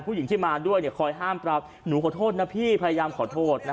ผู้หญิงที่มาด้วยคอยห้ามปรับหนูขอโทษนะพี่พยายามขอโทษนะ